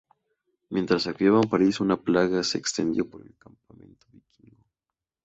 Mientras saqueaban París, una plaga se extendió por el campamento vikingo.